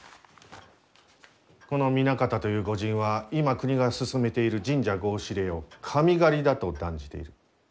この南方という御仁は今国が進めている神社合祀令を「神狩り」だと断じている。